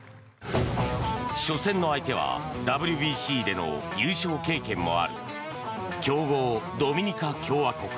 初戦の相手はＷＢＣでの優勝経験もある強豪ドミニカ共和国。